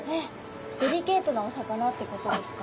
デリケートなお魚ってことですか？